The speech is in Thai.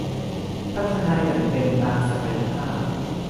พัฒนาอย่างเต็มตามศักยภาพ